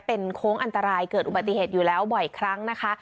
เป็นโค้งอันตรายเกิดอุบัติเหตุอยู่แล้วบ่อยครั้งนะคะ